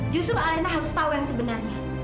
justru alena harus tahu yang sebenarnya